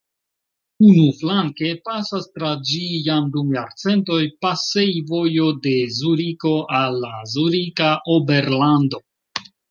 Unuflanke pasas tra ĝi jam dum jarcentoj pasejvojo de Zuriko al la Zurika Oberlando.